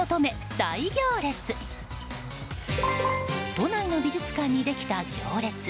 都内の美術館にできた行列。